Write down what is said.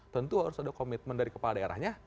tentu harus ada komitmen dari kepala daerahnya